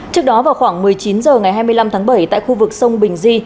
trước đó vào khoảng một mươi chín h ngày hai mươi năm tháng bảy tại khu vực sông bình di